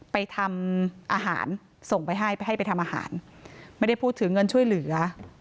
ไปทำอาหารส่งไปให้ไปให้ไปทำอาหารไม่ได้พูดถึงเงินช่วยเหลือ